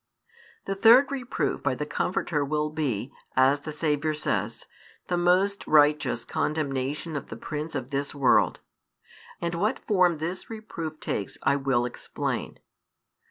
The third reproof by the Comforter will be, as the Saviour says, the most righteous condemnation of the prince of this world. And what form this reproof takes I will explain.